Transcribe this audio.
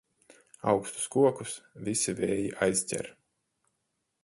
Augstus kokus visi vēji aizķer.